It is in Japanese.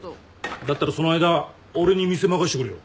だったらその間俺に店任せてくれよ。